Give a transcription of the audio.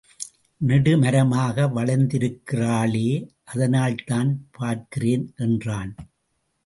நெடுமரமாக வளர்ந்திருக்கிறாளே அதனால்தான் பார்க்கிறேன் என்றான்.